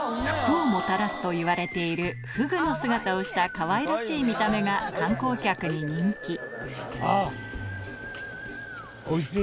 福をもたらすといわれているフグの姿をしたかわいらしい見た目が、観光客に人気。